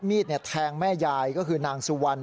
มีดแทงแม่ยายก็คือนางสุวรรณ